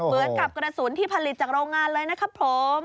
เหมือนกับกระสุนที่ผลิตจากโรงงานเลยนะครับผม